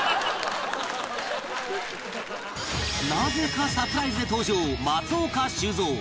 なぜかサプライズで登場松岡修造